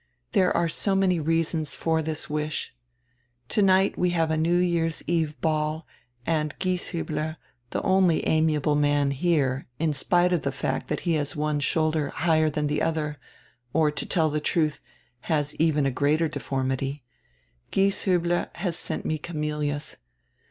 There are so many reasons for diis wish. Tonight we have a New Year's eve ball, and Gieshiibler, the only amiable man here, in spite of the fact diat he has one shoulder higher than the other, or, to tell die truth, has even a greater deformity — Gieshiibler has sent me some camelias.